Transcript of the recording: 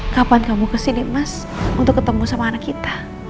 kapan kamu kesini mas untuk ketemu sama anak kita